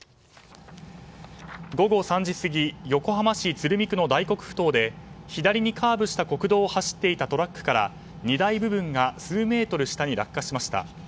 午後３時過ぎ横浜市鶴見区の大黒ふ頭で左にカーブした国道を走っていたトラックから荷台部分が数メートル下に落下しました。